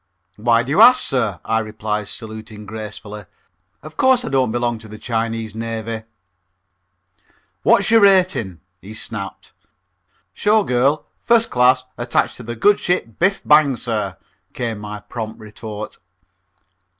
"Why do you ask, sir?" I replied, saluting gracefully. "Of course I don't belong to the Chinese Navy." "What's your rating?" he snapped. "Show girl first class attached to the good ship Biff! Bang! sir," came my prompt retort.